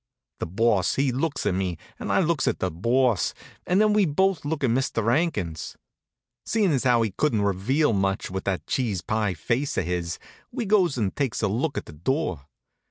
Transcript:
The Boss he looks at me, and I looks at the Boss, and then we both looks at Mister 'Ankins. Seein' as how he couldn't reveal much with that cheese pie face of his, we goes and takes a look at the door.